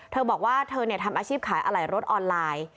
เธอบอกว่าเธอทำอาชีพขายอะไหล่รถออนไลน์